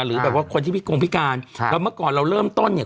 หรือแบบว่าคนที่พิกงพิการใช่แล้วเมื่อก่อนเราเริ่มต้นเนี่ย